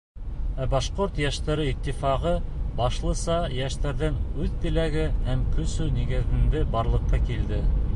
Ә Башҡорт йәштәре иттифағы башлыса йәштәрҙең үҙ теләге һәм көсө нигеҙендә барлыҡҡа килде.